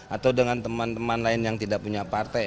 atau dengan temen temen lain yang tidak punya partai